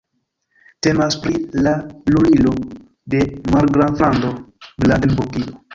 Temas pri la lulilo de Margraflando Brandenburgio.